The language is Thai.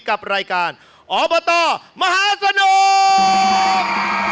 กับรายการอบตมหาสนุก